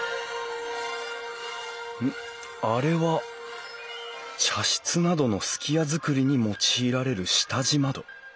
あれは茶室などの数寄屋造りに用いられる下地窓。